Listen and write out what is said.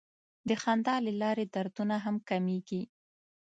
د خندا له لارې دردونه هم کمېږي.